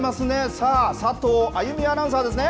さあ、佐藤あゆみアナウンサーですね。